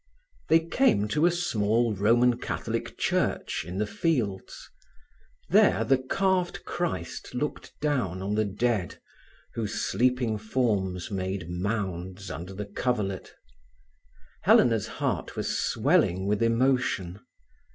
They came to a small Roman Catholic church in the fields. There the carved Christ looked down on the dead whose sleeping forms made mounds under the coverlet. Helena's heart was swelling with emotion.